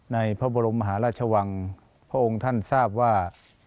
ในพระบรมมหาราชวังพระองค์ท่านทราบว่า